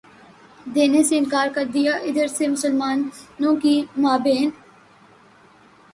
دینے سے انکار کر دیا ادھر سے مسلمانوں کے مابین